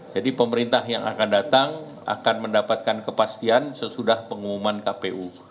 jadi pemerintah yang akan datang akan mendapatkan kepastian sesudah pengumuman kpu